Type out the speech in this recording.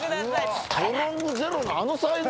ストロングゼロのあのサイズ？